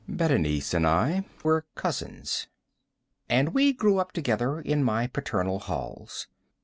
Berenice and I were cousins, and we grew up together in my paternal halls.